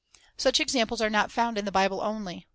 Such examples are not found in the Bible only.